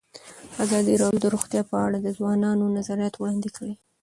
ازادي راډیو د روغتیا په اړه د ځوانانو نظریات وړاندې کړي.